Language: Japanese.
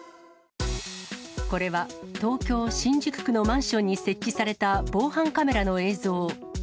これは東京・新宿区のマンションに設置された防犯カメラの映像。